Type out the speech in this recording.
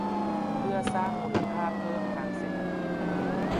เพื่อสร้างมูลค่าเพิ่มทางเศรษฐกิจ